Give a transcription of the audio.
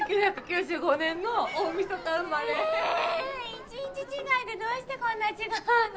１日違いでどうしてこんな違うの？